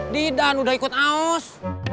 di dan udah ikut aus